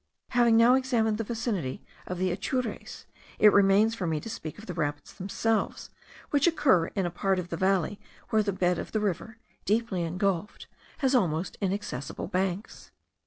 Having now examined the vicinity of the Atures, it remains for me to speak of the rapids themselves, which occur in a part of the valley where the bed of the river, deeply ingulfed, has almost inaccessible banks.